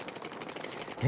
え